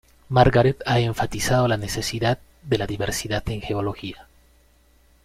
Margaret ha enfatizado la necesidad de la diversidad en geología.